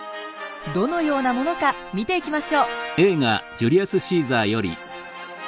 どのようなものか見ていきましょう。